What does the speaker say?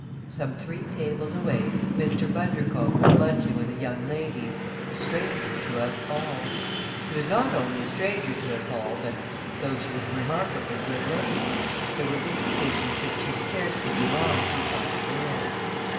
Some three tables away Mr. Bundercombe was lunching with a young lady a stranger to us all She was not only a stranger to us all but, though she was remarkably good looking, there were indications that she scarcely belonged to our world.